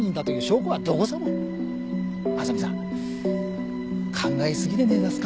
浅見さん考え過ぎでねえだすか？